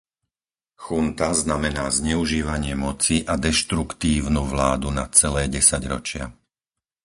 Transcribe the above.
Junta znamená zneužívanie moci a deštruktívnu vládu na celé desaťročia.